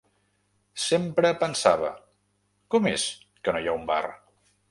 Sempre pensava: “Com és que no hi ha un bar?”